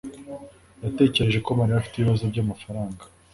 yatekereje ko Mariya afite ibibazo byamafaranga.